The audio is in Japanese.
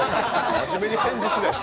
真面目に返事しないで。